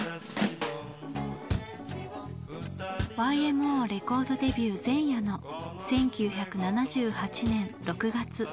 ＹＭＯレコードデビュー前夜の１９７８年６月。